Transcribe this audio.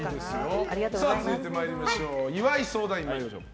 続いて岩井相談員参りましょう。